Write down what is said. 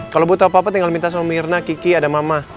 kalau butuh apa apa tinggal minta sama mirna kiki ada mama